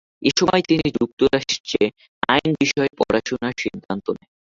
এসময় তিনি যুক্তরাজ্যে আইন বিষয়ে পড়াশোনার সিদ্ধান্ত নেন।